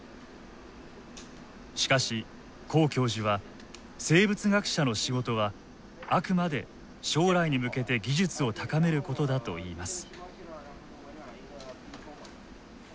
しかし黄教授は生物学者の仕事はあくまで将来に向けて技術を高めることだといいます。